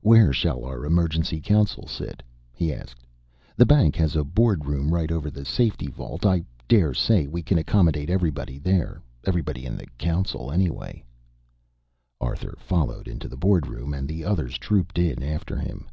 "Where shall our emergency council sit?" he asked. "The bank has a board room right over the safety vault. I dare say we can accommodate everybody there everybody in the council, anyway." Arthur followed into the board room, and the others trooped in after him.